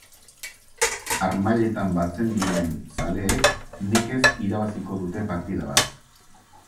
Harmailetan batzen diren zaleek nekez irabaziko dute partida bat.